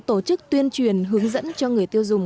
tổ chức tuyên truyền hướng dẫn cho người tiêu dùng